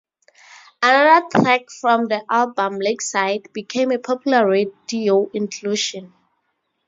Another track from the album, "Lakeside", became a popular radio inclusion.